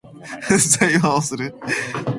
裁判をする